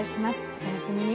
お楽しみに。